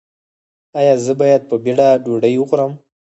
ایا زه باید په بیړه ډوډۍ وخورم؟